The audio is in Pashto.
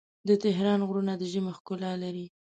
د تهران غرونه د ژمي ښکلا لري.